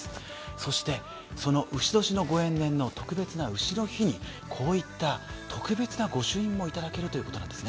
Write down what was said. そしてそのうし年のご縁年の特別なうしの日にこういっいた特別な御朱印もいただけるということなんです。